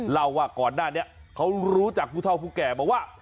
เล่าว่าก่อนหน้านี้เขารู้จักผู้เท่าผู้แก่มาว่า